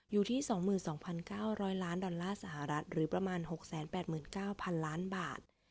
อยู่ที่๒๒๙๐๐ล้านดอลลาร์สหรัฐหรือประมาณ๖๘๙๐๐ล้านบาท